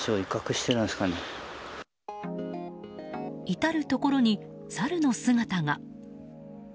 至るところにサルの姿が。